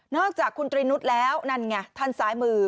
จากคุณตรีนุษย์แล้วนั่นไงท่านซ้ายมือ